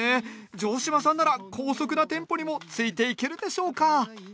城島さんなら高速なテンポにもついていけるでしょうか？